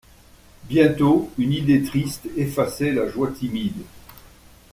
Bientôt une idée triste effaçait la joie timide.